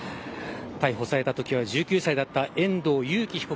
逮捕されたときは１９歳だった遠藤裕喜被告